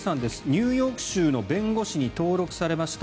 ニューヨーク州の弁護士に登録されました。